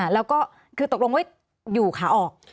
แล้วก็คือตกลงไว้อยู่ขาออก